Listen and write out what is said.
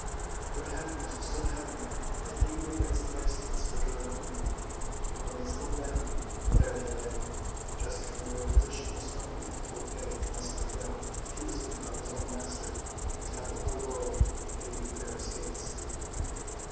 Their happiness was so heavenly that even the bits of ice danced for joy around them; and when they settled down, there they lay! just in the very position the Snow Queen had told Kay he must find out, if he was to become his own master and have the whole world and a new pair of skates.